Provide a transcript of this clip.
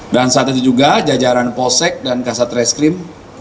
dan saat itu juga jajaran posek dan kasat reskrim